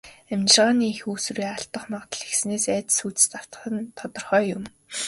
Амьжиргааны эх үүсвэрээ алдах магадлал ихэссэнээс айдас хүйдэст автах нь тодорхой юм.